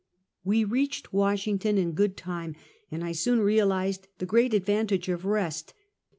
"We reached "Washington in good time, and I soon realized the great advantage of rest.